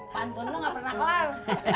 pantun lu nggak pernah kelar